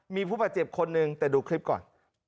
มีผู้บาดเจ็บคนหนึ่งแต่ดูคลิปก่อน